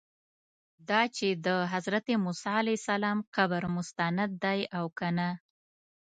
دا چې د حضرت موسی علیه السلام قبر مستند دی او که نه.